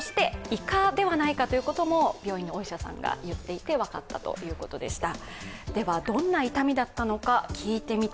いかではないかということも病院のお医者さんが言っていて分かったということでした。